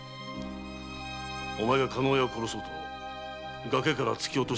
お前が加納屋を殺そうと崖から突き落としたことは事実だ。